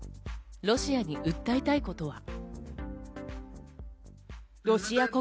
ロシアに訴えたいことは。